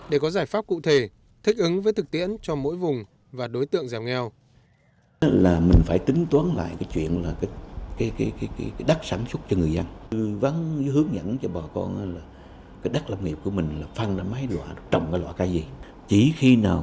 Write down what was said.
để có giải pháp cụ thể thích ứng với thực tiễn cho mỗi vùng và đối tượng giảm nghèo